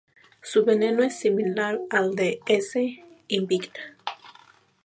Su veneno es similar al de "S. invicta".